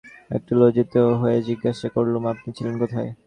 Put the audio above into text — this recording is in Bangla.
একটু লজ্জিত হয়ে জিজ্ঞাসা করলুম, আপনি ছিলেন কোথায়?